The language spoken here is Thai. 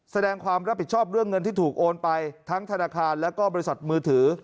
แสดงความรับผิดชอบเรื่องเงินที่ถูกโอนไปทั้งธนาคารแล้วก็บริษัทมือถือ